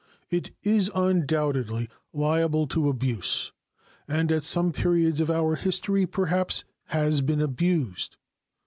It is undoubtedly liable to abuse, and at some periods of our history perhaps has been abused.